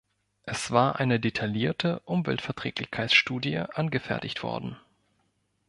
Es war eine detaillierte Umweltverträglichkeitsstudie angefertigt worden.